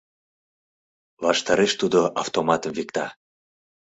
Ваштареш Тудо автоматым викта.